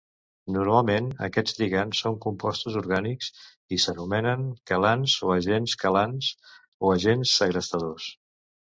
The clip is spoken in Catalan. Normalment aquests lligants són compostos orgànics i s'anomenen quelants o agents quelants o agents segrestadors.